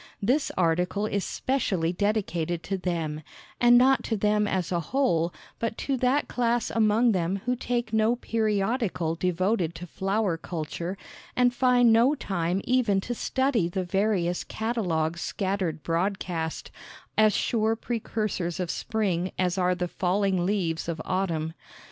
This article is specially dedicated to them, and not to them as a whole, but to that class among them who take no periodical devoted to flower culture, and find no time even to study the various catalogues scattered broadcast, as sure precursors of spring as are the falling leaves of autumn.